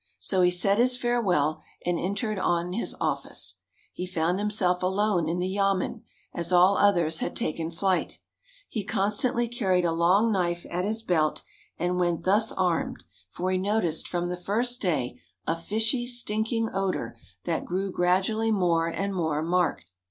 So he said his farewell, and entered on his office. He found himself alone in the yamen, as all others had taken flight. He constantly carried a long knife at his belt, and went thus armed, for he noticed from the first day a fishy, stinking odour, that grew gradually more and more marked.